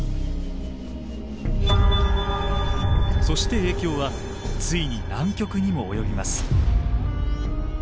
そして影響はついに南極にも及びます。